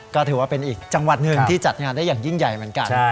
ก็ถือว่าเป็นอีกจังหวัดหนึ่งที่จัดงานได้อย่างยิ่งใหญ่เหมือนกัน